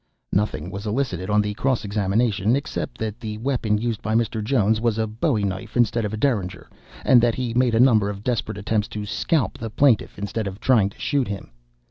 (Nothing was elicited on the cross examination, except that the weapon used by Mr. Jones was a bowie knife instead of a derringer, and that he made a number of desperate attempts to scalp the plaintiff instead of trying to shoot him.